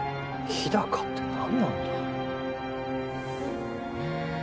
日高って何なんだ